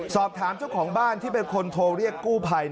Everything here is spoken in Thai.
สอบถามเจ้าของบ้านที่เป็นคนโทรเรียกกู้ภัย